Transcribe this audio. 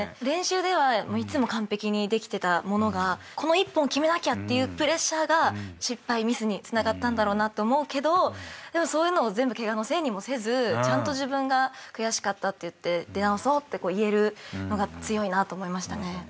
練習ではいつも完璧にできてたものがこの一本を決めなきゃっていうプレッシャーがミスにつながったんだろうなと思うけどでもそういうのを全部ケガのせいにもせずちゃんと自分が悔しかったって言って出直そうって言えるのが強いなと思いましたね。